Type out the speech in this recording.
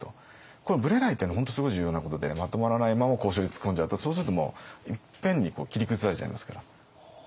このブレないっていうのが本当すごい重要なことでまとまらないまま交渉に突っ込んじゃうとそうするともういっぺんに切り崩されちゃいますから。